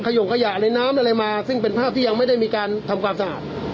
ยงขยะในน้ำอะไรมาซึ่งเป็นภาพที่ยังไม่ได้มีการทำความสะอาด